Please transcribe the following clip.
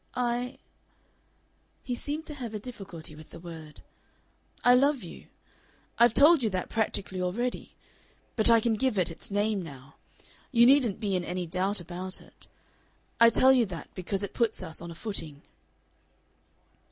"I" he seemed to have a difficulty with the word "I love you. I've told you that practically already. But I can give it its name now. You needn't be in any doubt about it. I tell you that because it puts us on a footing...."